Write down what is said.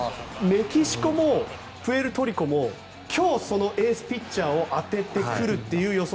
メキシコもプエルトリコも今日、そのエースピッチャーを当ててくるという予想